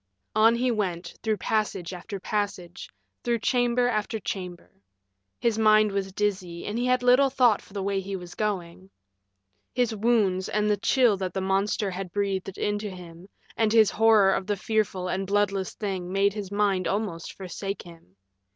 On he went, through passage after passage, through chamber after chamber. His mind was dizzy, and he had little thought for the way he was going. His wounds and the chill that the monster had breathed into him and his horror of the fearful and bloodless thing made his mind almost forsake him.